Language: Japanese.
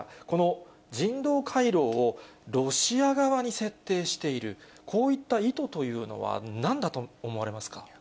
この人道回廊をロシア側に設定している、こういった意図というのはなんだと思われますか。